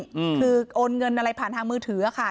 อืมคือโอนเงินอะไรผ่านทางมือถืออะค่ะ